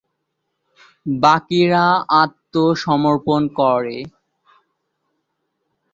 বাকিরা আত্মসমর্পণ করে।